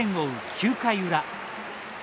９回裏。